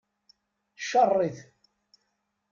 Ccaṛ-it.